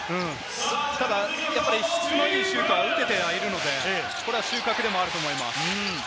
ただ、質のいいシュートは打ててはいるので、これは収穫でもあると思います。